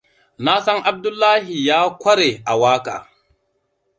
Na san Abdullahia ya ƙware a waƙa.